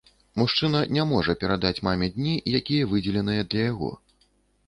Мужчына не можа перадаць маме дні, якія выдзеленыя для яго.